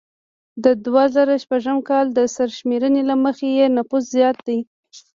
د دوه زره شپږم کال د سرشمیرنې له مخې یې نفوس زیات دی